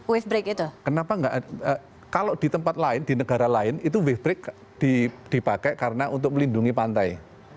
wave break itu kenapa enggak kalau di tempat lain di negara lain itu wave break dipakai karena untuk melindungi pantai